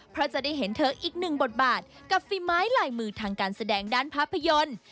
เพราะจะได้เห็นเธออีกหนึ่งบทบาทกับฝีไม้ลายมือทางการแสดงด้านภาพยนตร์